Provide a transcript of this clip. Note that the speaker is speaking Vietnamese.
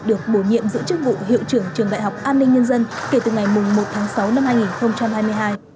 được bổ nhiệm giữ chức vụ hiệu trưởng trường đại học an ninh nhân dân kể từ ngày một tháng sáu năm hai nghìn hai mươi hai